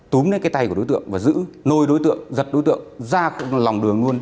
túm lên cái tay của đối tượng và giữ nôi đối tượng giật đối tượng ra lòng đường luôn